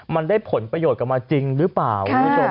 มันได้ผลประโยชน์กลับมาจริงหรือเปล่าคุณผู้ชม